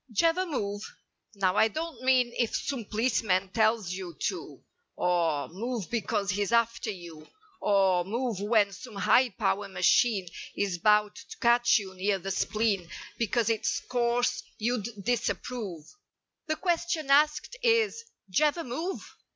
Jevver move? Now I don't mean If some policemen tells you to Or, move because he's after you Or move when some high power machine Is 'bout to catch you near the spleen Because its course you'd disapprove: The question asked is—"Jevver move?"